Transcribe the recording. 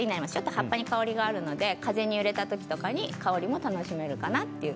葉っぱに香りがあるので風に揺れたときに香りを楽しめるかなという。